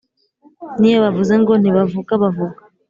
n’iyo bavuze ngo ntibavuga bavuga,